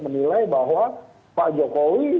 menilai bahwa pak jokowi